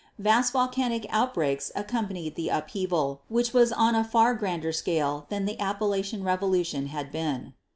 Vast volcanic outbreaks accompanied the upheaval, which was on a far grander scale than the Appalachian revolution had been.